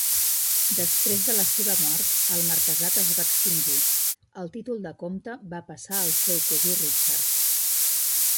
Després de la seva mort, el marquesat es va extingir; el títol de comte va passar al seu cosí Richard.